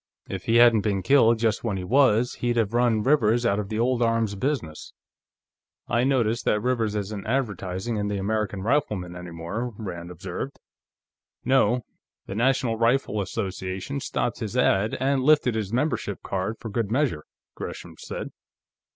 If he hadn't been killed just when he was, he'd have run Rivers out of the old arms business." "I notice that Rivers isn't advertising in the American Rifleman any more," Rand observed. "No; the National Rifle Association stopped his ad, and lifted his membership card for good measure," Gresham said.